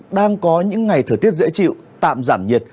đang có những ngày thời tiết dễ chịu tạm giảm nhiệt